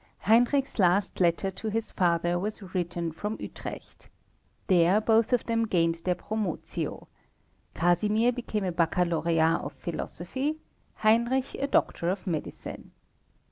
Heinrich's last letter to his father was written from Utrecht. There both of them gained their promotio. Casimir became a baccalaureat of philosophy, Heinrich a doctor of medicine.